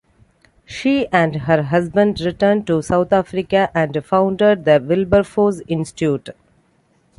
She and her husband returned to South Africa and founded the Wilberforce Institute.